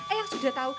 eh yang sudah tau